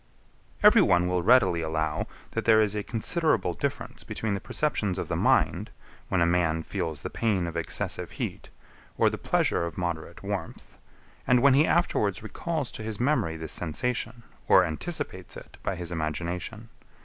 11. Every one will readily allow, that there is a considerable difference between the perceptions of the mind, when a man feels the pain of excessive heat, or the pleasure of moderate warmth, and when he afterwards recalls to his memory this sensation, or anticipates it by his imagination.